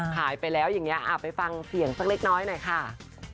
หายไปแล้วอย่างนี้ไปฟังเสียงสักเล็กน้อยหน่อยค่ะ